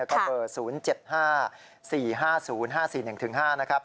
แล้วก็เบอร์๐๗๕๔๕๐๕๔๑๕นะครับ